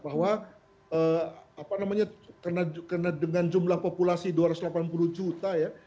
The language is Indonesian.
bahwa karena dengan jumlah populasi dua ratus delapan puluh juta ya